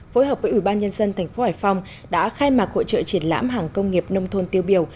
phối hợp với ủy ban nhân dân thành phố hải phòng đã khai mạc hội trợ triển lãm hàng công nghiệp nông thôn tiêu biểu